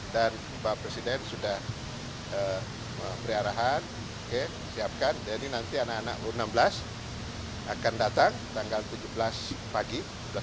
dan bapak presiden sudah beri arahan siapkan jadi nanti anak anak u enam belas akan datang tanggal tujuh belas pagi